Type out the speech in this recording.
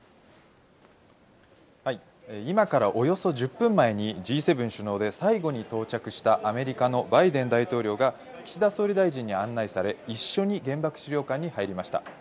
はい、今からおよそ１０分前にＧ７首脳で最後に到着したアメリカのバイデン大統領が、岸田総理大臣に案内され、一緒に原爆資料館に入りました。